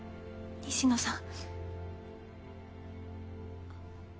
西野さん。